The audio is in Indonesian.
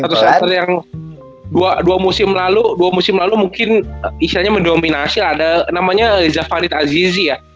satu center yang dua musim lalu mungkin isinya mendominasi ada namanya zafarit azizi ya